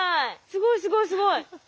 すごいすごいすごい。